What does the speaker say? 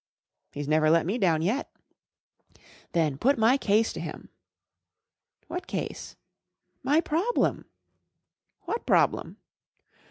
" He's never let me down yet." " Then put my case to him*" * What case ?" 1 My problem." " What problem